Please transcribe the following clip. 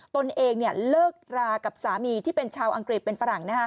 ตนเองเลิกรากับสามีที่เป็นชาวอังกฤษเป็นฝรั่ง